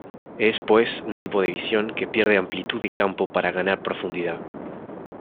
Es pues un tipo de visión que pierde amplitud de campo para ganar profundidad.